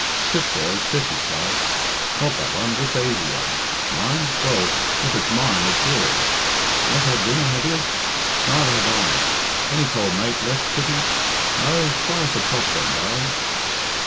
"Sit, boy, sit," he cried; "not that one this aisy one. Mine? Well, if it's mine, it's yours. Not had dinner, have you? Neither have I. Any cold mate left, Kitty? No? Fry us a chop, then, darling."